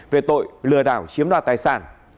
về tội lừa đảo chiếm đoạt tài sản